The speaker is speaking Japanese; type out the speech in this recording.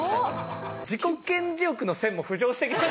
自己顕示欲の線も浮上してきましたね。